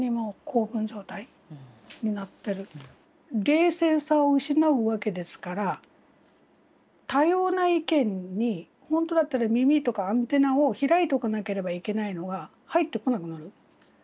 冷静さを失うわけですから多様な意見に本当だったら耳とかアンテナを開いておかなければいけないのが入ってこなくなる。